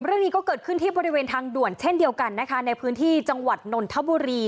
เรื่องนี้ก็เกิดขึ้นที่บริเวณทางด่วนเช่นเดียวกันนะคะในพื้นที่จังหวัดนนทบุรี